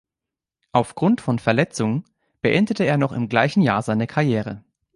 Aufgrund von Verletzung beendete er noch im gleichen Jahr seine Karriere.